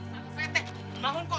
teteh bangun kok